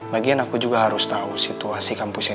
lagian aku juga harus tau situasi kampusnya